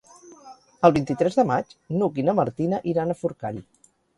El vint-i-tres de maig n'Hug i na Martina iran a Forcall.